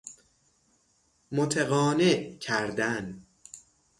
متقانع کردن